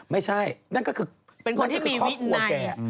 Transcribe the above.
ไม่ใช่นั่นก็คือกอภั์นตัวแก